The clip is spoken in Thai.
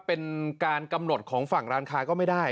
เป็นการกำหนดของฝั่งร้านค้าก็ไม่ได้